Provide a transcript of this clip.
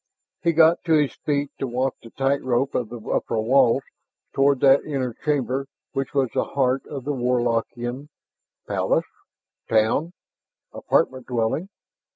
He got to his feet to walk the tightrope of the upper walls toward that inner chamber which was the heart of the Warlockian palace? town? apartment dwelling?